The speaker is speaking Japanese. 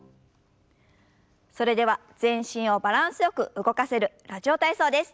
それでは全身をバランスよく動かせる「ラジオ体操」です。